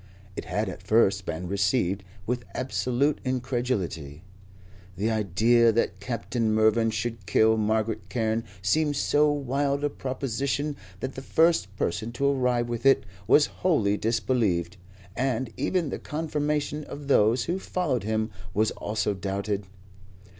It had at first been received with absolute incredulity. The idea that Captain Mervyn should kill Margaret Carne seemed so wild a proposition that the first person to arrive with it was wholly disbelieved, and even the confirmation of those who followed him was also doubted.